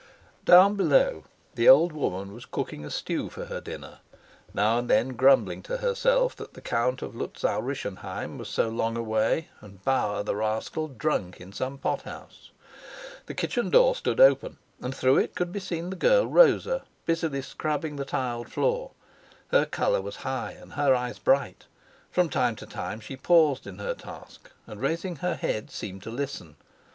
Down below, the old woman was cooking a stew for her dinner, now and then grumbling to herself that the Count of Luzau Rischenheim was so long away, and Bauer, the rascal, drunk in some pot house. The kitchen door stood open, and through it could be seen the girl Rosa, busily scrubbing the tiled floor; her color was high and her eyes bright; from time to time she paused in her task, and, raising her head, seemed to listen.